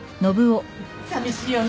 寂しいよね。